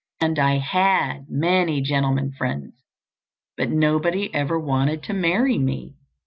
And I had many gentlemen friends. But nobody ever wanted to marry me.